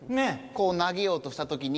こうなげようとしたときに。